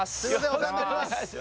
お世話になります